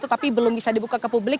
tetapi belum bisa dibuka ke publik